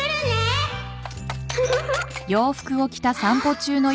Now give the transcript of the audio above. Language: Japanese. フフフッ！